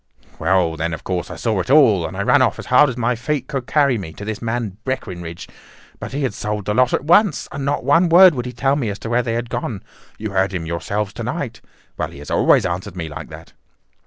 "Well, then, of course I saw it all, and I ran off as hard as my feet would carry me to this man Breckinridge; but he had sold the lot at once, and not one word would he tell me as to where they had gone. You heard him yourselves to night. Well, he has always answered me like that.